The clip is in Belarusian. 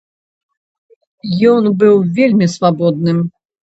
Ён быў вельмі свабодным.